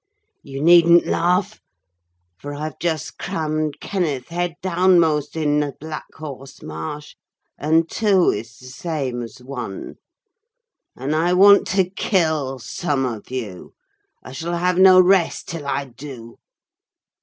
You needn't laugh; for I've just crammed Kenneth, head downmost, in the Black horse marsh; and two is the same as one—and I want to kill some of you: I shall have no rest till I do!"